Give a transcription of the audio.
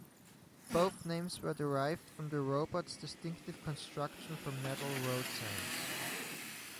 Both names were derived from the robot's distinctive construction from metal roadsigns.